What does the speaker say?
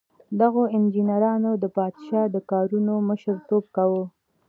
دغو انجینرانو د پادشاه د کارونو مشر توب کاوه.